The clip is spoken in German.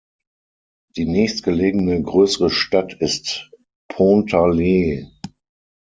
Die nächstgelegene größere Stadt ist Pontarlier.